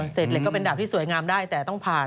เสร็จเหล็กก็เป็นดาบที่สวยงามได้แต่ต้องผ่าน